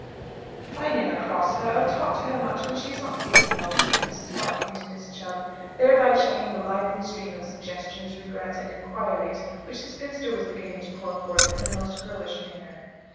"I never cross her, or talk to her much when she is not feeling well," whispered Mrs. Bodkin to Miss Chubb; thereby checking a lively stream of suggestions, regrets, and inquiries which the spinster was beginning to pour forth in her most girlish manner.